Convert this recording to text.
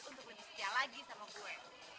untuk lebih setia lagi sama gue